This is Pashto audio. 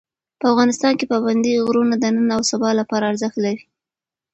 افغانستان کې پابندي غرونه د نن او سبا لپاره ارزښت لري.